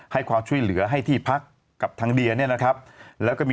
ให้ความช่วยเหลือให้ที่พักครับทรัศน์เดียนแล้วก็มี